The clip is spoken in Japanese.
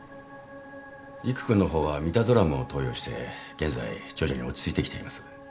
理玖君の方はミダゾラムを投与して現在徐々に落ち着いてきています。